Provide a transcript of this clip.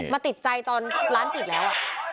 ติดใจตอนร้านปิดแล้ว